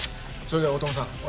それでは大友さん。